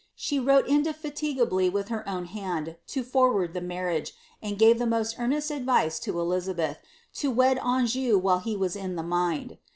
She wrote inde &tigably with her own hand to forward the marriage, and gave the most earnest advice to Elizabeth to wed Anjou while he was in the mind.